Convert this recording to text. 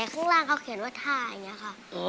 ข้างล่างเขาเขียนว่าท่าอย่างนี้ค่ะ